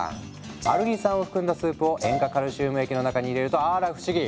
アルギン酸を含んだスープを塩化カルシウム液の中に入れるとあら不思議。